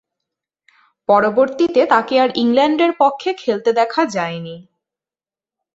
পরবর্তীতে তাকে আর ইংল্যান্ডের পক্ষে খেলতে দেখা যায়নি।